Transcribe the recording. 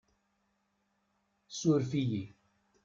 Suref-iyi.